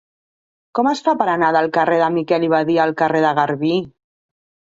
Com es fa per anar del carrer de Miquel i Badia al carrer de Garbí?